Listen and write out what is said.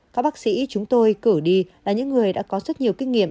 các bác sĩ chúng tôi cử đi là những người đã có rất nhiều kinh nghiệm